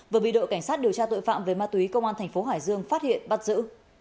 vừa bị đội cảnh sát điều tra tội phạm về ma túy công an thành phố hải dương phát hiện bắt giữ